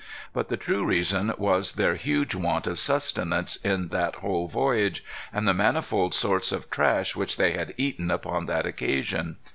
But the true reason was their huge want of sustenance in that whole voyage, and the manifold sorts of trash which they had eaten upon that occasion.